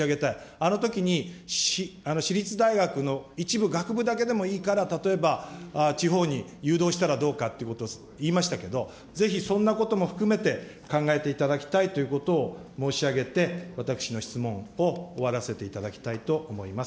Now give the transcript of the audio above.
あのときに私立大学の一部学部だけでもいいから、例えば地方に誘導したらどうかってことを言いましたけど、ぜひそんなことも含めて、考えていただきたいということを申し上げて、私の質問を終わらせていただきたいと思います。